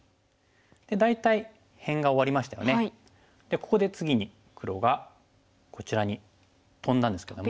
ここで次に黒がこちらにトンだんですけども。